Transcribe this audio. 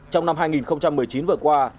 trong năm hai nghìn một mươi chín vừa qua